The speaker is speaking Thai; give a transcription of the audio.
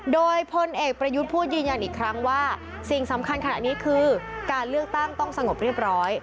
โดยพลเอกประยุทธ์พูดยืนยันอีกครั้งว่าสิ่งสำคัญขนาดนี้คือการเลือกตั้งต้องสงบเรียบร้อย